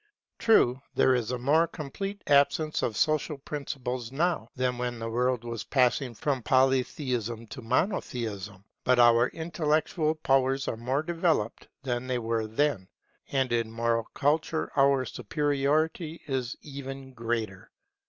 True, there is a more complete absence of social principles now, than when the world was passing from Polytheism to Monotheism; but our intellectual powers are more developed than they were then, and in moral culture our superiority is even greater.